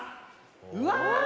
うわ！